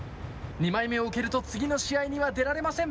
２枚目を受けると次の試合には出られません。